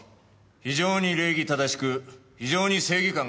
非常に礼儀正しく非常に正義感が強い。